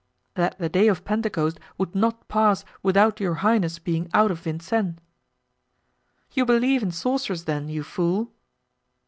"That the day of Pentecost would not pass without your highness being out of Vincennes." "You believe in sorcerers, then, you fool?"